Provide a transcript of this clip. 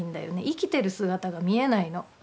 生きてる姿が見えないの。